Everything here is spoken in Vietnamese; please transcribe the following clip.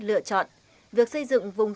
lựa chọn việc xây dựng vùng